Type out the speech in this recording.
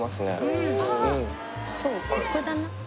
うんそうコクだな